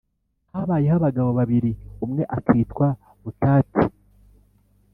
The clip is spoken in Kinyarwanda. Habayeho abagabo babiri, umwe akitwa Butati